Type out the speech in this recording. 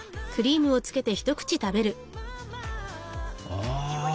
あ。